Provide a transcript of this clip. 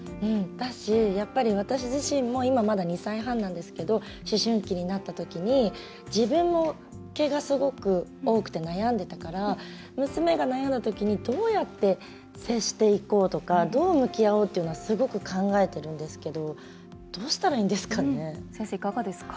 やっぱり私自身もまだ、２歳半なんですけど思春期になった時に自分も毛がすごく多くて悩んでたから、娘が悩んだ時にどうやって接していこうとかどう向き合おうというのはすごく考えてるんですけどどうしたらいいんですかね。